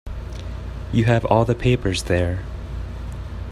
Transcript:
You have all the papers there.